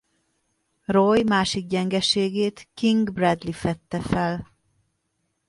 Roy másik gyengeségét King Bradley fedte fel.